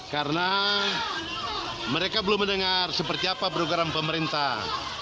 karena mereka belum mendengar seperti apa program pemerintah